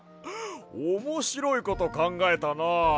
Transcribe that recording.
おもしろいことかんがえたな。